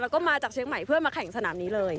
แล้วก็มาจากเชียงใหม่เพื่อมาแข่งสนามนี้เลย